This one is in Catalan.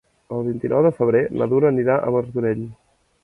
El vint-i-nou de febrer na Duna anirà a Martorell.